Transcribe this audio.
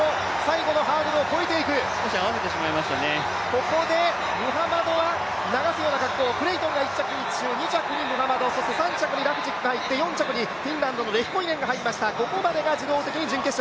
ここでムハマドは流すような格好、クレイトンが１着、２着にムハマド３着にラフジクが入って、４着にフィンランドのレヒコイネンが入りました。